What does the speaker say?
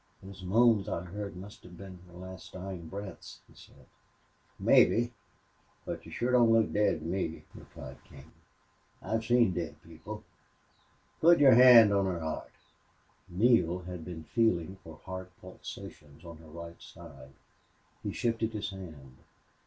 "Those moans I heard must have been her last dying breaths," he said. "Mebbe. But she shore doesn't look daid to me," replied King. "I've seen daid people. Put your hand on her heart." Neale had been feeling for heart pulsations on her right side. He shifted his hand.